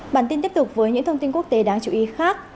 bản tin tiếp tục với những thông tin quốc tế đáng chú ý khác